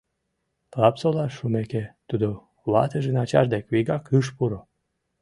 Лапсолаш шумеке, тудо ватыжын ачаж дек вигак ыш пуро.